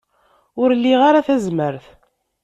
Ur liɣ ara tazmert.